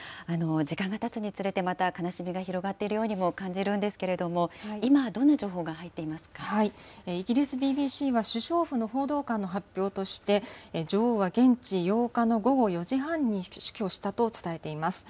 時間がたつにつれてまた悲しみが広がっているようにも感じるんですけれども、今、どんな情報が入イギリスＢＢＣは首相府の報道官の発表として、女王は現地８日の午後４時半に死去したと伝えています。